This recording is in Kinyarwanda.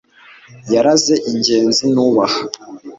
yaraze ingenzi nubaha